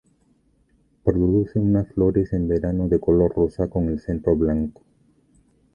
Produce unas flores en verano de color rosa con el centro blanco.